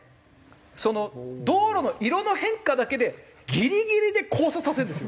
その道路の色の変化だけでギリギリで交差させるんですよ。